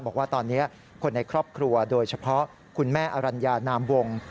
บอกว่าตอนนี้คนในครอบครัวโดยเฉพาะคุณแม่อรัญญานามวง